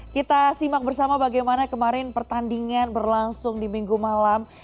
kita simak bersama bagaimana kemarin pertandingan berlangsung di minggu malam